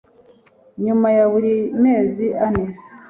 nyuma ya buri mezi ane